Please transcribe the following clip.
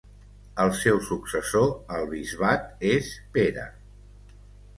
El seu successor al bisbat és Pere.